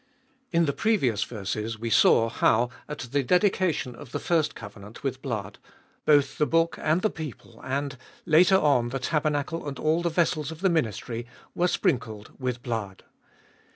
IN the previous verses we saw how, at the dedication of the first covenant with blood, both the book and the people and, later on, the tabernacle and all the vessels of the ministry, were sprinkled with blood.